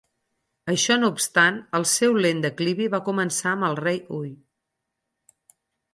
Això no obstant, el seu lent declivi va començar amb el rei Hui.